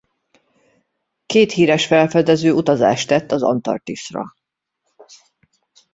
Két híres felfedező utazást tett az Antarktiszra.